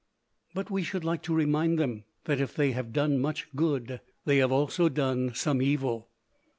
But we should like to remind them that if they have done much good, they have also done some evil.